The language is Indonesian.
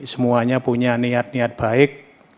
semuanya punya niat niat baik